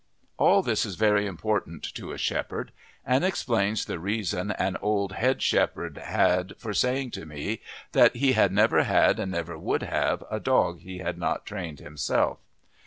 All this is very important to a shepherd, and explains the reason an old head shepherd had for saying to me that he had never had, and never would have, a dog he had not trained himself.